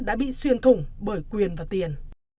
đã bị xuyên thủng bởi quyền và tiền